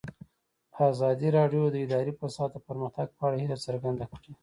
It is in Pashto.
ازادي راډیو د اداري فساد د پرمختګ په اړه هیله څرګنده کړې.